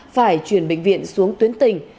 phải chuyển bệnh viện xuống tuyến tình